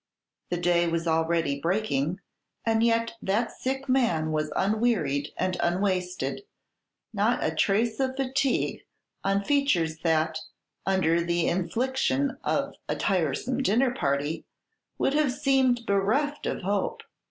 The day was already breaking, and yet that sick man was unwearied and unwasted; not a trace of fatigue on features that, under the infliction of a tiresome dinner party, would have seemed bereft of hope.